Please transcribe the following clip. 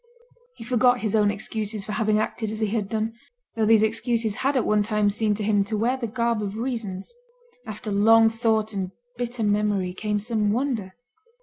He forgot his own excuses for having acted as he had done; though these excuses had at one time seemed to him to wear the garb of reasons. After long thought and bitter memory came some wonder.